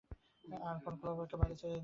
আর ওরা ক্লোভারকে বাইরে ছেঁড়ে দিয়েছে।